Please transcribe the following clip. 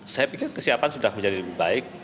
saya pikir kesiapan sudah menjadi lebih baik